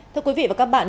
thưa quý vị và các bạn